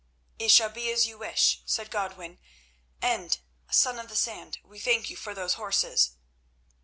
"It shall be as you wish," said Godwin; "and, Son of the Sand, we thank you for those horses."